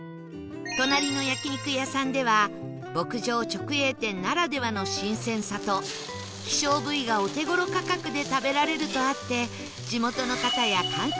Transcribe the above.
隣の焼肉屋さんでは牧場直営店ならではの新鮮さと希少部位がお手頃価格で食べられるとあって